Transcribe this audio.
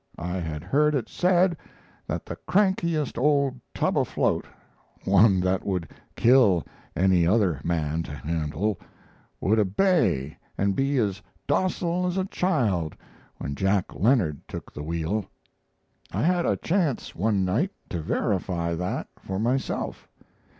I had heard it said that the crankiest old tub afloat one that would kill any other man to handle would obey and be as docile as a child when Jack Leonard took the wheel. I had a chance one night to verify that for myself.